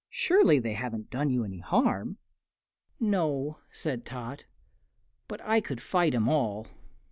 "Surely they haven't done you any harm." "No," said Tot; "but I could fight 'em all."